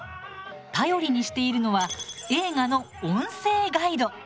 頼りにしているのは映画の「音声ガイド」。